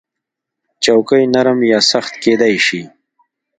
چوکۍ نرم یا سخت کېدای شي.